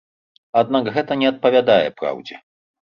Аднак гэта не адпавядае праўдзе.